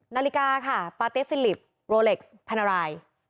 นาฬิกาค่ะปาร์ตี้ฟิลิปโรเล็กซ์พันราย